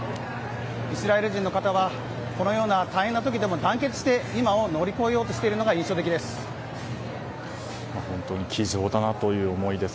イスラエル人の方はこのような大変な時でも団結して今を乗り越えようとしているのが本当に気丈だなという思いです。